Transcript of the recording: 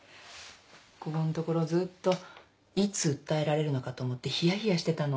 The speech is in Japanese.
ここんところずっといつ訴えられるのかと思って冷や冷やしてたの。